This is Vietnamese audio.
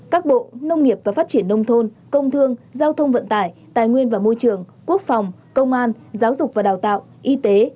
các bộ nông nghiệp và phát triển nông thôn công thương giao thông vận tải tài nguyên và môi trường quốc phòng công an giáo dục và đào tạo y tế